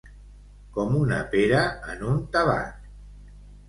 Com una pera en un tabac.